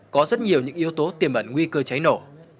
có rất nhiều những yếu tố tiềm ẩn nguy cơ cháy nổ